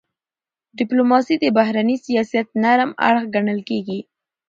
ډيپلوماسي د بهرني سیاست نرم اړخ ګڼل کېږي.